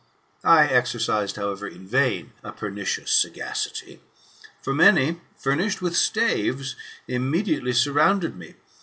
•! exercised, however, in vain, a pernicious sagacity. For many, furnished with staves, imme diately surrounded me.